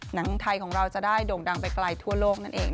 หนังไทยของเราจะได้โด่งดังไปไกลทั่วโลกนั่นเอง